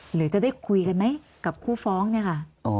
หรือจะได้คุยกันไหมกับคู่ฟ้องเนี่ยค่ะ